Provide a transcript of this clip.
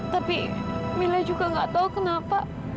tapi mila juga gak tahu kenapa